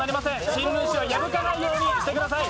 新聞紙は破かないようにしてください。